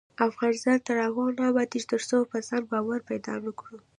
افغانستان تر هغو نه ابادیږي، ترڅو پر ځان باور پیدا نکړو.